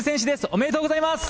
おめでとうございます！